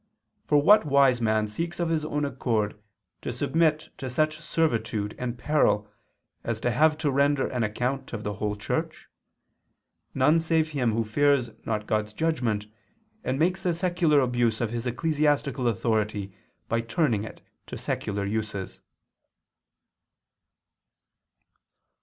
For what wise man seeks of his own accord to submit to such servitude and peril, as to have to render an account of the whole Church? None save him who fears not God's judgment, and makes a secular abuse of his ecclesiastical authority, by turning it to secular uses."